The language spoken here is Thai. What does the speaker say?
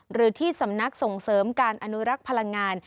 หรือที่สำนักส่งเสริมการอนุรักษ์พลังงาน